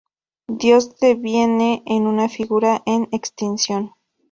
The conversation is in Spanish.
Dios deviene en una figura en extinción.